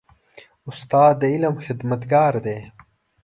استاد د علم خدمتګار دی.